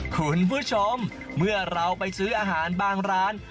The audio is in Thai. คุณผู้ชมเมื่อเราไปซื้ออาหารบางร้าน